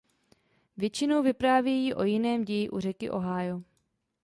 Většinou vyprávějí o jiném ději u řeky Ohio.